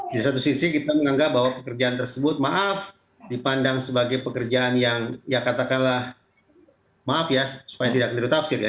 di satu sisi kita menganggap bahwa pekerjaan tersebut maaf dipandang sebagai pekerjaan yang ya katakanlah maaf ya supaya tidak menurut tafsir ya